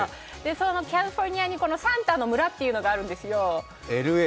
キャリフォルニアにサンタの村というのがあるんですよ。